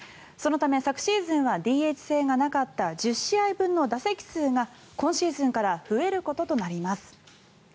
そのため昨シーズンはＤＨ制がなかった１０試合分の打席数が今シーズンから増えることとなります。